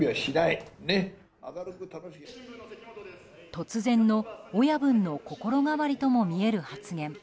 突然の親分の心変わりとも見える発言。